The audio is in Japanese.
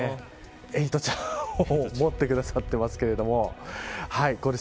エイトちゃんを持ってくださってますけど。